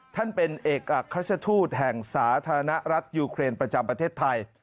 ท่านเป็นเอกอักราชทูตแห่งสาธารณรัฐยูเครนประจำประเทศไทย